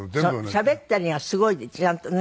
しゃべったりがすごいねちゃんとね。